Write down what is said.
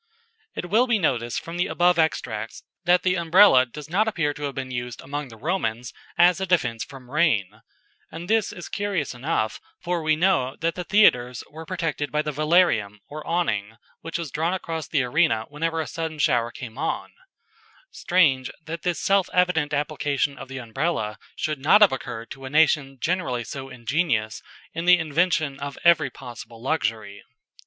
"] It will be noticed from the above extracts that the Umbrella does not appear to have been used among the Romans as a defence from rain; and this is curious enough, for we know that the theatres were protected by the velarium or awning, which was drawn across the arena whenever a sudden shower came on; strange that this self evident application of the Umbrella should not have occurred to a nation generally so ingenious in the invention of every possible luxury.